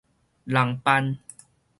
人範